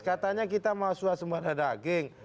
katanya kita mau suasembada daging